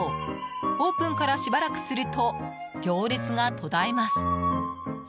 オープンからしばらくすると行列が途絶えます。